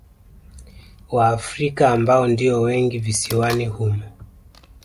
Waafrika ambao ndio wengi visiwani humo